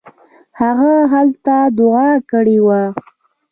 هغه هلته دوعا کړې وه.